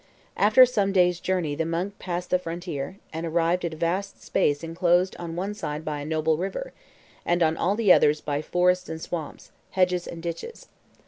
After some days' journey the monk passed the frontier, and arrived at a vast space enclosed on one side by a noble river, and on all the others by forests and swamps, hedges and ditches.